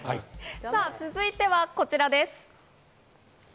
続いてはこちらです。